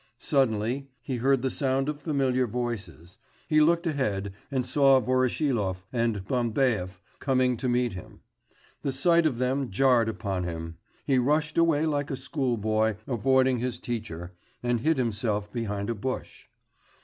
Suddenly he heard the sound of familiar voices; he looked ahead and saw Voroshilov and Bambaev coming to meet him. The sight of them jarred upon him; he rushed away like a school boy avoiding his teacher, and hid himself behind a bush....